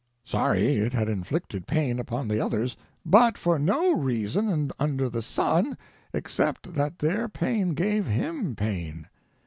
Sorry it had inflicted pain upon the others, but for no reason under the sun except that their pain gave him pain.